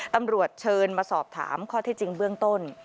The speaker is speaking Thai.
ตำรวจเชิญมาสอบถามข้อที่จริงเบื้องต้น